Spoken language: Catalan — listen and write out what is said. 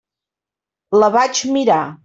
La vaig mirar.